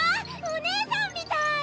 お姉さんみたい！